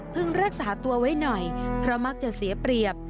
รักษาตัวไว้หน่อยเพราะมักจะเสียเปรียบ